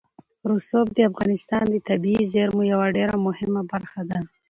رسوب د افغانستان د طبیعي زیرمو یوه ډېره مهمه برخه ده.